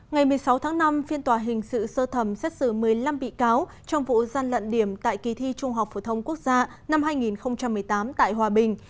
ngày một mươi sáu tháng năm phiên tòa hình sự sơ thẩm xét xử một mươi năm bị cáo trong vụ gian lận điểm tại kỳ thi trung học phổ thông quốc gia năm hai nghìn một mươi tám tại hòa bình